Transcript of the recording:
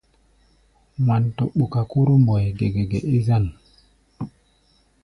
Wanto ɓuka Kóro Mbóe gɛgɛgɛ é zân.